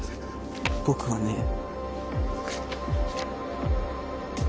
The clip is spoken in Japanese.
僕はね。